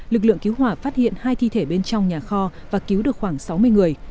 lực lượng cứu hỏa phát hiện hai thi thể bên trong nhà kho và cứu được khoảng sáu mươi người